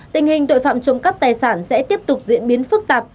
tình hình tội phạm trộm cắp tài sản sẽ tiếp tục diễn biến phức tạp